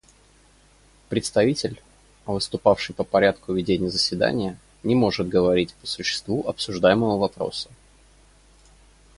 Представитель, выступающий по порядку ведения заседания, не может говорить по существу обсуждаемого вопроса.